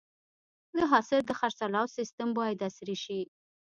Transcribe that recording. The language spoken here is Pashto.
د حاصل د خرڅلاو سیستم باید عصري شي.